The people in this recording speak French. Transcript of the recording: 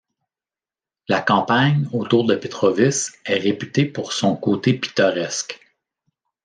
La campagne autour de Petrovice est réputée pour son côté pittoresque.